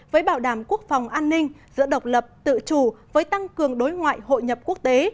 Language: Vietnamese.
với bảo đảm quốc phòng an ninh giữa độc lập tự chủ với tăng cường đối ngoại hội nhập quốc tế